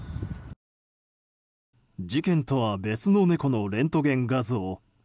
事件とは別の猫のレントゲン画像。